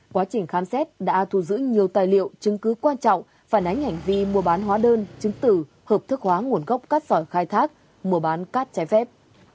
quá trình khám xét đã thu giữ nhiều tài liệu chứng cứ quan trọng phản ánh hành vi mua bán hóa đơn chứng tử hợp thức hóa nguồn gốc cát sỏi khai thác mua bán cát trái phép